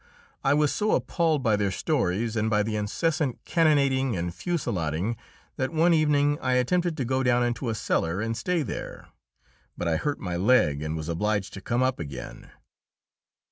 I was so appalled by their stories and by the incessant cannonading and fusillading that one evening I attempted to go down into a cellar and stay there. But I hurt my leg, and was obliged to come up again.